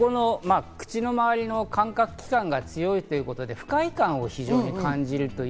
口の周りの感覚器官が強いということで、不快感を非常に感じる。